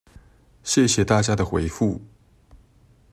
謝謝大家的回覆